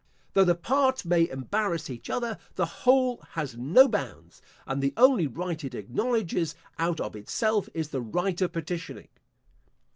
Though the parts may embarrass each other, the whole has no bounds; and the only right it acknowledges out of itself, is the right of petitioning.